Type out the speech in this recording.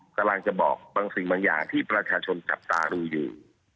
กำลังจะบอกบางอย่างที่ประชาชนจับตามรู้อยู่